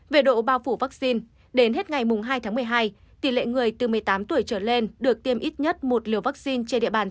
về độ bao phủ vaccine đến hết ngày mùng hai tháng một mươi hai tỷ lệ người từ một mươi tám tuổi trở lên được tiêm ít nhất một liều vaccine trên địa bàn tp hcm là một trăm linh